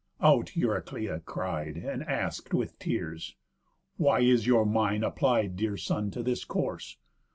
Out Euryclea cried, And ask'd with tears: "Why is your mind applied. Dear son, to this course?